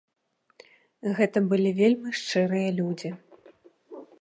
Гэта былі вельмі шчырыя людзі.